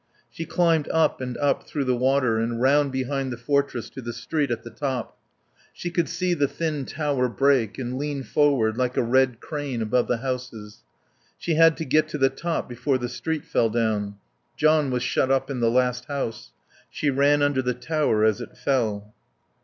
She climbed up and up through the water and round behind the fortress to the street at the top. She could see the thin tower break and lean forward like a red crane above the houses. She had to get to the top before the street fell down. John was shut up in the last house. She ran under the tower as it fell.